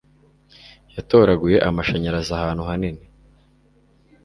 Yatoraguye amashanyarazi ahantu hanini